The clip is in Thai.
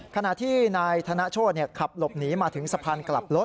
ขณะที่นายธนโชธขับหลบหนีมาถึงสะพานกลับรถ